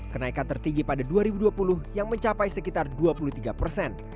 kenaikan tertinggi pada dua ribu dua puluh yang mencapai sekitar dua puluh tiga persen